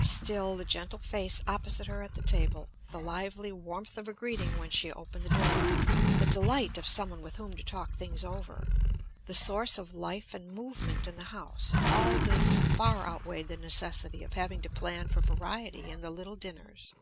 Still the gentle face opposite her at the table, the lively warmth of a greeting when she opened the door, the delight of some one with whom to talk things over, the source of life and movement in the house; all this far outweighed the necessity of having to plan for variety in the little dinners.